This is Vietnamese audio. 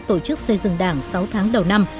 tổ chức xây dựng đảng sáu tháng đầu năm